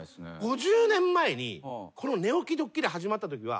５０年前にこの寝起きドッキリ始まったときは。